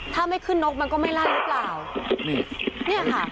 ถ้าไม่ขึ้นนกมันก็ไม่ลั่นหรือเปล่า